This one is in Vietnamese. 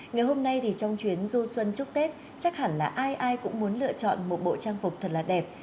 ngày hôm nay thì trong chuyến du xuân chúc tết chắc hẳn là ai ai cũng muốn lựa chọn một bộ trang phục thật là đẹp